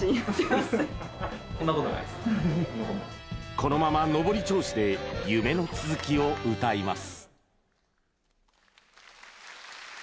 このまま上り調子で夢の続きを歌います。